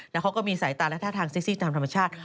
แล้วเขาก็มีสายตาและท่าทางเซ็กซี่ตามธรรมชาติ